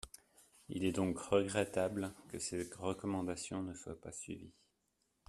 Il est donc regrettable que ses recommandations ne soient pas suivies.